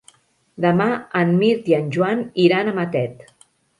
Demà en Mirt i en Joan iran a Matet.